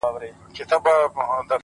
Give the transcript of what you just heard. • په مناسبت جشن جوړ کړي ,